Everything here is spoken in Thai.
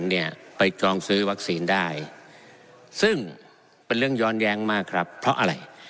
เนี่ยไปจองซื้อวัคซีนได้ซึ่งเป็นเรื่องย้อนแย้งมากครับเพราะอะไร